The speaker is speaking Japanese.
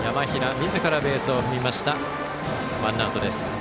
みずからベースを踏んでワンアウトです。